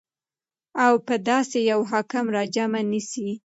او په داسي يو حاكم راجمع نسي